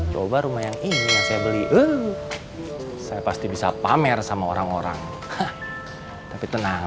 coba rumah yang ini saya beli uh saya pasti bisa pamer sama orang orang